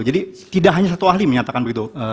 jadi tidak hanya satu ahli menyatakan begitu